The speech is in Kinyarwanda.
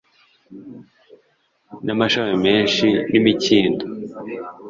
n'amashami meza n'imikindo